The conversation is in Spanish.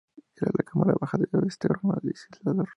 Era la Cámara baja de este órgano legislador.